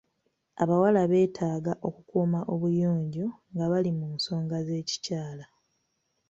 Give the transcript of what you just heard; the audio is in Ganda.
Abawala beetaaga okukuuma obuyonjo nga bali mu nsonga z'ekikyala.